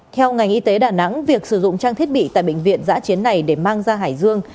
theo ngành y tế đà nẵng việc sử dụng trang thiết bị tại bệnh viện giã chiến này để mang ra hải dương